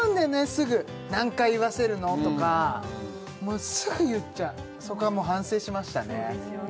すぐ「何回言わせるの」とかもうすぐ言っちゃうそこはもう反省しましたね